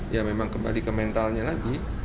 ya memang kembali ke mentalnya lagi